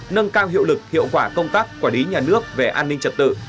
nâng cao hiệu lực hiệu quả công tác quản lý nhà nước về an ninh trật tự